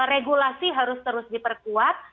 regulasi harus terus diperkuat